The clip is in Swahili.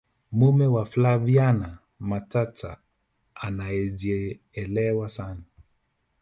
mume wa flaviana matata anaejielewa sana